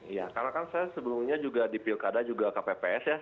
iya karena kan saya sebelumnya juga di pilkada juga kpps ya